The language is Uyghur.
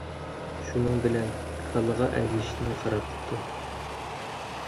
شۇنىڭ بىلەن كالىغا ئەگىشىشنى قارار قىپتۇ.